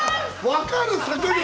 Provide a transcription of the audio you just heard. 分かる！